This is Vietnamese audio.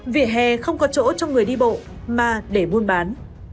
vỉa hè không có chỗ cho người đi bộ mà để buôn bán